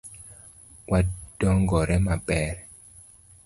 Wadongore maber.